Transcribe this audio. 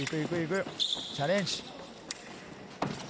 チャレンジ。